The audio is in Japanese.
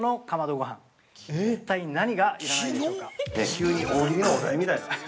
◆急に大喜利のお題みたいな。